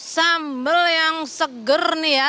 sambal yang seger nih ya